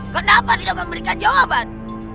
kenapa tidak memberikan jawaban